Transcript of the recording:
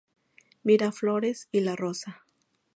Miraflores y la Rosa.